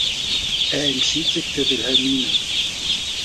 Er entschied sich für Wilhelmine.